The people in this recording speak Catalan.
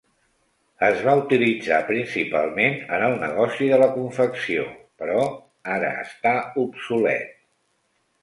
Es va utilitzar principalment en el negoci de la confecció, però ara està obsolet.